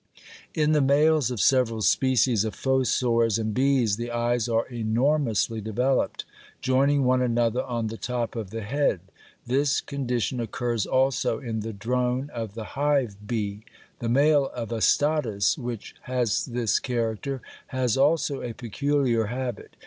] In the males of several species of fossors and bees the eyes are enormously developed, joining one another on the top of the head. This condition occurs also in the drone of the hive bee. The male of Astatus, which has this character, has also a peculiar habit.